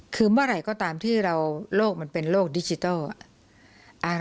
คือเมื่อไหร่ก็ตามที่เราโลกมันเป็นโลกดิจิทัล